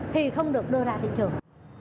thì không được đưa ra thị trường